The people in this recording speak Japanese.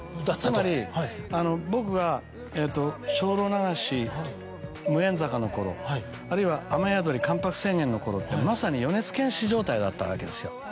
つまり僕が『精霊流し』『無縁坂』の頃あるいは『雨やどり』『関白宣言』の頃ってまさに米津玄師状態だったわけですよ。